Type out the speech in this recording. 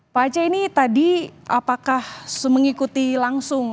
pak aceh ini tadi apakah mengikuti langsung